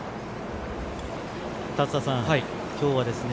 立田さん、今日はですね